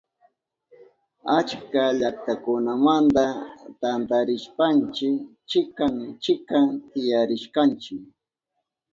Achka llaktakunamanta tantarishpanchi chikan chikan tiyarishkanchi.